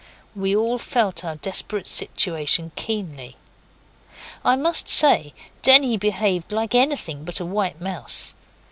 We all felt our desperate situation keenly. I must say Denny behaved like anything but a white mouse.